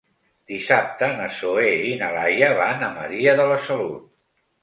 Dissabte na Zoè i na Laia van a Maria de la Salut.